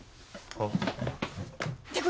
あっ。